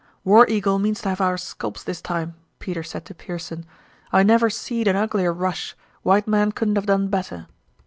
"War Eagle means to have our sculps this time," Peter said to Pearson. "I never seed an uglier rush. White men couldn't have done better."